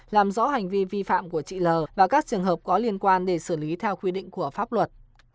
làm rõ hành vi vi phạm của chị l và các trường hợp có liên quan để xử lý theo quy định của pháp luật